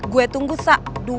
gue tunggu sa